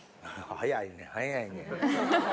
早いねん早いねん。